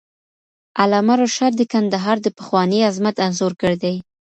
علامه رشاد د کندهار د پخواني عظمت انځورګر دی.